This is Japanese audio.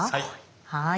はい。